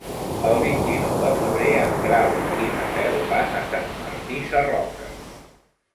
El vint-i-nou de febrer en Grau i na Cel van a Sant Martí Sarroca.